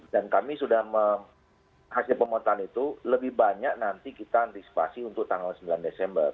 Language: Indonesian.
dan kami sudah menghasilkan pemotongan itu lebih banyak nanti kita antisipasi untuk tanggal sembilan desember